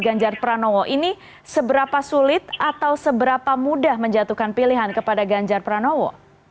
ganjar pranowo ini seberapa sulit atau seberapa mudah menjatuhkan pilihan kepada ganjar pranowo